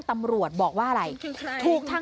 สุดทนแล้วกับเพื่อนบ้านรายนี้ที่อยู่ข้างกัน